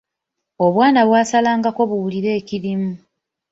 Obwana bwasalangako buwulire ekirimu.